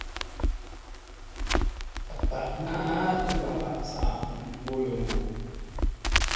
Paghʼə náatə́ ńkə́r lâʼ zághʼə mbô lə̂ mbô.